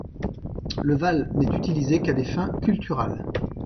Le val n’est utilisé qu’à des fins culturales.